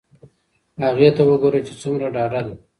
هغې ته وگوره چې څومره ډاډه ده.